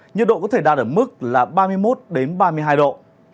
nhiệt độ có thể đạt ở mức là ba mươi một ba mươi hai độ